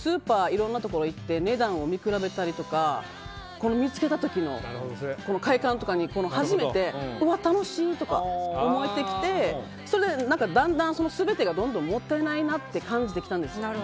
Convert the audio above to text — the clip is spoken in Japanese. いろんなところで値段を見比べたりとか見つけた時の快感とかに初めて楽しいとか思えてきてそれで、だんだん全てがどんどんもったいないなって感じてきたんです。